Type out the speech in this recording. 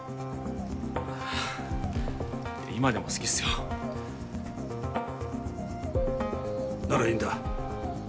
今でも好きっすよならいいんだ